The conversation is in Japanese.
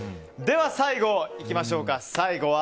では、最後いきましょうか。